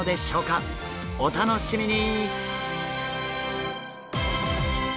お楽しみに！